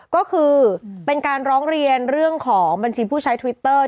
ก็คือเป็นการร้องเรียนเรื่องของบัญชีผู้ใช้ทวิตเตอร์